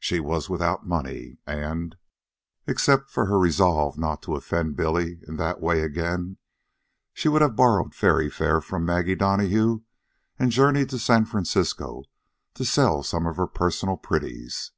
She was without money, and, except for her resolve not to offend Billy in that way again, she would have borrowed ferry fare from Maggie Donahue and journeyed to San Francisco to sell some of her personal pretties.